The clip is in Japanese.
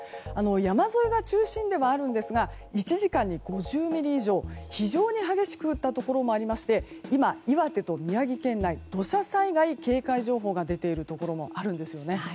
山沿いが中心ではあるんですが１時間に５０ミリ以上非常に激しく降ったところもありまして今、岩手と宮城県内土砂災害警戒情報が出ているところもあるんですね。